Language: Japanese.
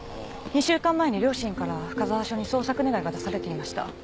２週間前に両親から深沢署に捜索願が出されていました。